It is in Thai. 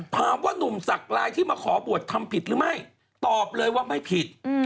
นุ่มสักลายที่มาขอบวชทำผิดหรือไม่ตอบเลยว่าไม่ผิด